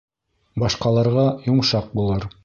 Башҡаларға йомшаҡ булыр.